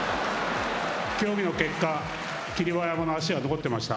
協議の結果、霧馬山の足が残ってました。